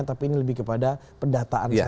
tapi ini lebih kepada pendataan